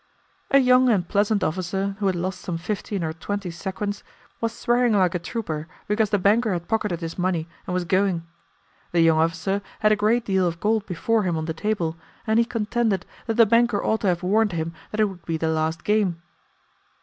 A young and pleasant officer, who had lost some fifteen or twenty sequins, was swearing like a trooper because the banker had pocketed his money and was going. The young officer had a great deal of gold before him on the table, and he contended that the banker ought to have warned him that it would be the last game.